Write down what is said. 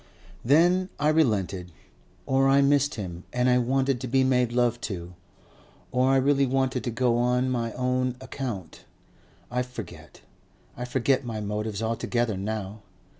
"Then I relented. Or I missed him and I wanted to be made love to. Or I really wanted to go on my own account. I forget. I forget my motives altogether now.